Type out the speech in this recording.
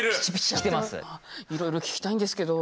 いろいろ聞きたいんですけど。